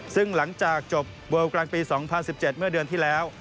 ซึ่งหลังจากจบเวิลกลางปี๒๐๑๗เมื่อเดือนที่แล้ว